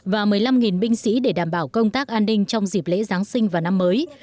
và một mươi năm binh sĩ để đảm bảo công tác an ninh trong dịp lễ giáng sinh và năm mới